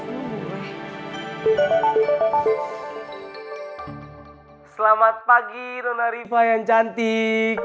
selamat pagi nona rifai yang cantik